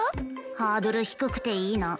ハードル低くていいな。